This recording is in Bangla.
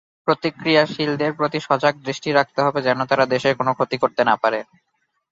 প্রতিক্রিয়াশীলদের প্রতি সজাগ দৃষ্টি রাখতে হবে যেন তারা দেশের কোনো ক্ষতি করতে না পারে।